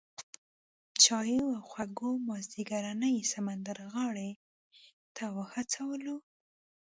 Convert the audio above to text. چایو او خوږو مازیګرنۍ سمندرغاړې ته وهڅولو.